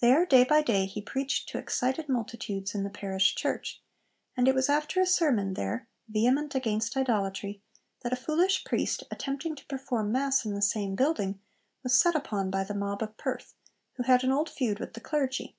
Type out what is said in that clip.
There, day by day, he preached to excited multitudes in the Parish Church; and it was after a sermon there, 'vehement against idolatry,' that a foolish priest, attempting to perform mass in the same building, was set upon by the mob of Perth, who had an old feud with the clergy.